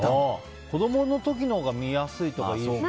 子供の時のほうが見やすいとかいうしね。